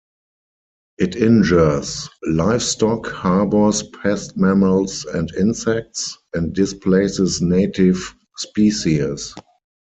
It injures livestock, harbors pest mammals and insects, and displaces native species.